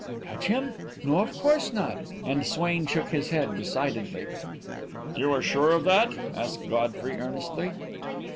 "Touch him? No, of course not," and Swain shook his head decidedly. "You are sure of that?" asked Godfrey earnestly.